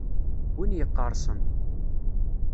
Win yeqqerṣen.